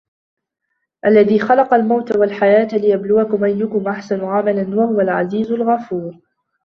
الذي خلق الموت والحياة ليبلوكم أيكم أحسن عملا وهو العزيز الغفور